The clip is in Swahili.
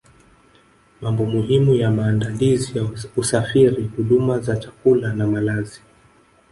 Mambo muhimu ya maandalizi ya usafiri huduma za chakula na malazi